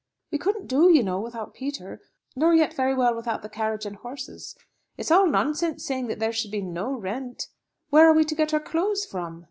"We couldn't do, you know, without Peter; nor yet very well without the carriage and horses. It's all nonsense saying that there should be no rent; where are we to get our clothes from?"